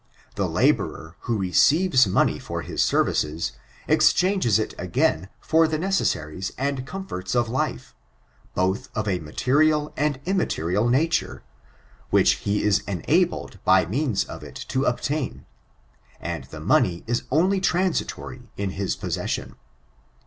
The laborer, who receives money for bis services, exchanges it again for the necessaries and comforts of life, both of a material and immaterial nature, which he is enabled by means of it to obtain; and the money is only transitorily in his possession."